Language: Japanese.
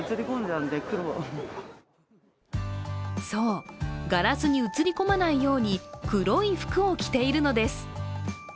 そう、ガラスに映り込まないように黒い服を着ているのです。